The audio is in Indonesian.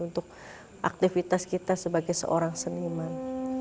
untuk aktivitas kita sebagai seorang seniman